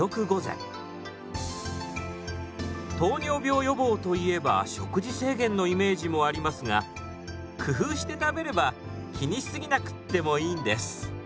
糖尿病予防といえば食事制限のイメージもありますが工夫して食べれば気にしすぎなくてもいいんです。